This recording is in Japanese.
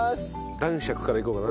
男爵からいこうかな。